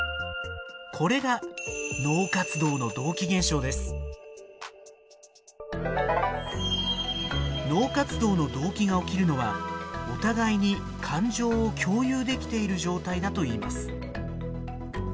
これが脳活動の同期が起きるのはお互いに感情を共有できている状態だといいます。